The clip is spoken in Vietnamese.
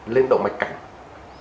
lên động vệ cảnh